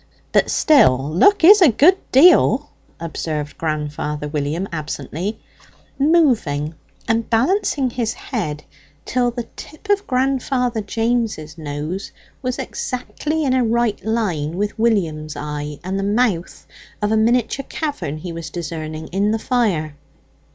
"But still, look is a good deal," observed grandfather William absently, moving and balancing his head till the tip of grandfather James's nose was exactly in a right line with William's eye and the mouth of a miniature cavern he was discerning in the fire.